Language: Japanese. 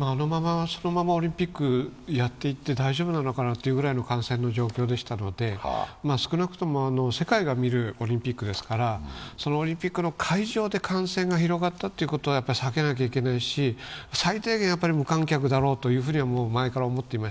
あのままオリンピックをやっていって大丈夫なのかなぐらいの感染の状況でしたので、少なくとも世界が見るオリンピックですからそのオリンピックの会場で感染が広がったということは避けなきゃいけないし、最低限、無観客だろうと前から思っていました。